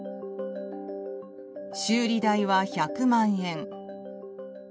修理代は１００万円。